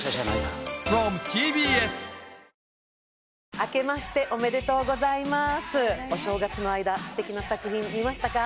明けましておめでとうございますお正月の間素敵な作品見ましたか？